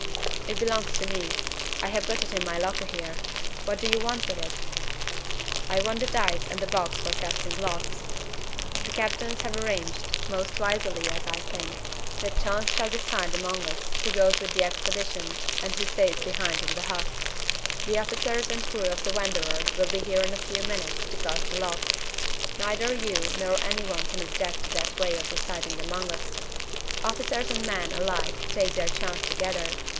"It belongs to me. I have got it in my locker here. What do you want with it?" "I want the dice and the box for casting lots. The captains have arranged most wisely, as I think that Chance shall decide among us who goes with the expedition and who stays behind in the huts. The officers and crew of the Wanderer will be here in a few minutes to cast the lots. Neither you nor any one can object to that way of deciding among us. Officers and men alike take their chance together.